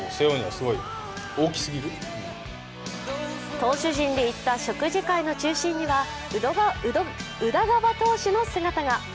投手陣で行った食事会の中心には宇田川投手の姿が。